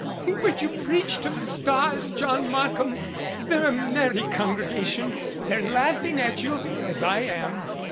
"Would you preach to the stars, John Markham? They're a merry congregation. They're laughing at you as I am.